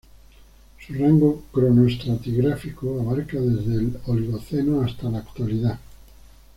Su rango cronoestratigráfico abarca desde el Oligoceno hasta la Actualidad.